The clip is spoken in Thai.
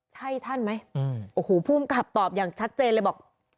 ใช่ท่านไหมโอ้โหภูมิกับตอบอย่างชัดเจนเลยบอก